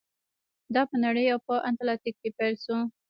دا په نړۍ او په اتلانتیک کې پیل شو.